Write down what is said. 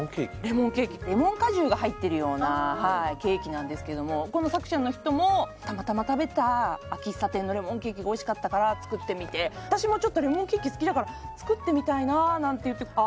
レモン果汁が入ってるようなケーキなんですけどもこの作者の人もたまたま食べた喫茶店のレモンケーキがおいしかったから作ってみて私もちょっとレモンケーキ好きだから作ってみたいななんていってあ